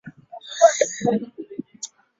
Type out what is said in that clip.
kupunguka kwa moto kumesababisha acacia kuwa imara